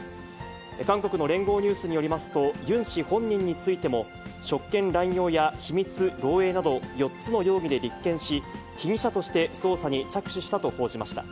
韓国の聯合ニュースによりますと、ユン氏本人についても、職権乱用や秘密漏えいなど４つの容疑で立件し、被疑者として捜査に着手したと報じました。